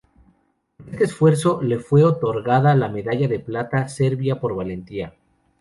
Por este esfuerzo, le fue otorgada la medalla de plata serbia por valentía.